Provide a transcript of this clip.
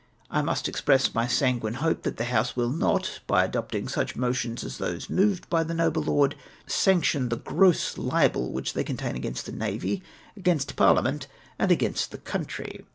I must express my sanguine hope that the house will not, by adopting such motions as those moved by the noble lord, sanction the gross libel which they contain against the nav}^, against parliament, and against the country.